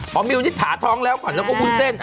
เพราะมิวนี่ถาท้องแล้วก่อนแล้วก็พูดเส้น